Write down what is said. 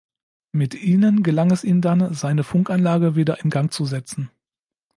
Mit ihnen gelang es ihm dann, seine Funkanlage wieder in Gang zu setzen.